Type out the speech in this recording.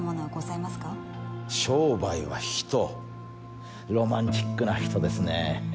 商売は人ロマンチックな人ですね。